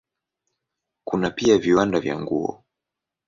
Kuna pia viwanda vya nguo.